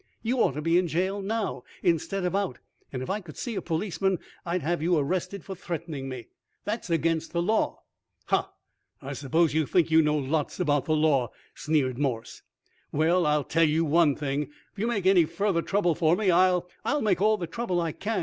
"You ought to be in jail now, instead of out; and if I could see a policeman, I'd have you arrested for threatening me! That's against the law!" "Huh! I s'pose you think you know lots about the law," sneered Morse. "Well, I tell you one thing, if you make any further trouble for me, I'll " "I'll make all the trouble I can!"